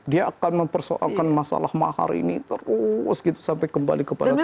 dia akan mempersoalkan masalah mahar ini terus sampai kembali kepada kita